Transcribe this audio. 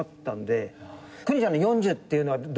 邦ちゃんの４０っていうのはどんな時期？